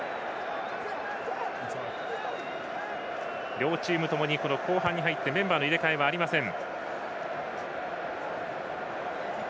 両チームともに後半に入ってメンバーの入れ替えはありません。